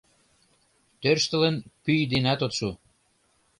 Тӧрштылын, пӱй денат от шу.